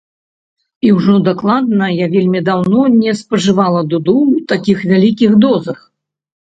І ўжо дакладна я вельмі даўно не спажывала дуду ў такіх вялікіх дозах.